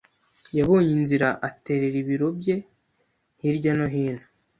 Yabonye inzira aterera ibiro bye hirya no hino.